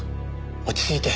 落ち着いて。